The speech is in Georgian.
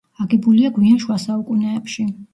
აგებულია გვიან შუა საუკუნეებში.